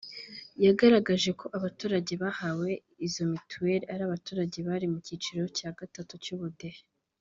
yagaragaje ko abaturage bahawe izo mitiweli ari abaturage bari mu cyiciro cya gatatu cy’ ubudehe